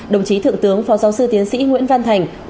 đồng chí thượng tướng phó giáo sư tiến sĩ nguyễn văn thành